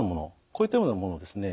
こういったようなものをですね